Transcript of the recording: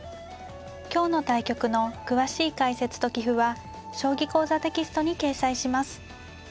今日の対局の詳しい解説と棋譜は「将棋講座」テキストに掲載します。